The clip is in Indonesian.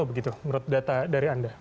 menurut data dari anda